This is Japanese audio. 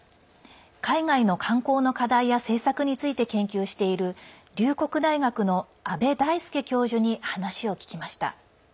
海外の観光の課題や政策について研究している龍谷大学の阿部大輔教授に話を聞きました。